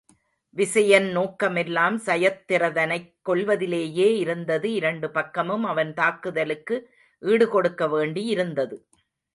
விசயன் நோக்கமெல்லாம் சயத்திரதனைக் கொல்வதிலேயே இருந்தது இரண்டு பக்கமும் அவன் தாக்குதலுக்கு ஈடுகொடுக்க வேண்டி இருந்தது.